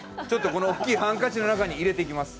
この大きいハンカチの中に入れていきます。